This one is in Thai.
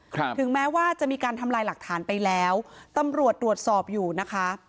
ถึงแม้ว่าจะมีการทำลายหลักฐานไปแล้วตำรวจตรวจสอบอยู่นะคะ